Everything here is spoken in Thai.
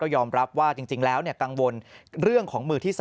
ยอมรับว่าจริงแล้วกังวลเรื่องของมือที่๓